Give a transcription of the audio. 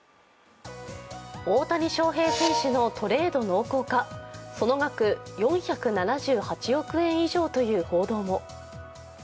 大谷翔平選手のトレード濃厚か、その額４７８億円以上という報道も。